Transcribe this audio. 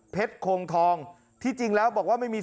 เป็นคนเสียจังไร